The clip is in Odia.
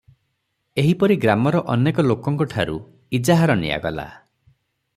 ଏହିପରି ଗ୍ରାମର ଅନେକ ଲୋକଙ୍କଠାରୁ ଇଜାହାର ନିଆଗଲା ।